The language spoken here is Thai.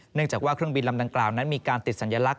เนื่องจากว่าเครื่องบินลำดังกล่าวนั้นมีการติดสัญลักษ